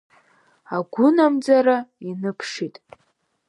Агәынамӡара иныԥшит.